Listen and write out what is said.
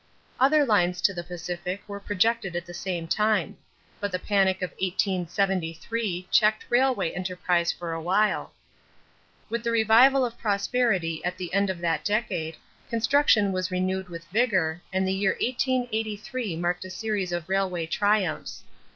Other lines to the Pacific were projected at the same time; but the panic of 1873 checked railway enterprise for a while. With the revival of prosperity at the end of that decade, construction was renewed with vigor and the year 1883 marked a series of railway triumphs.